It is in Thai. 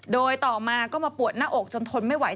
โดยต่อมาก็มาปวดหน้าอกจนทนไม่ไหว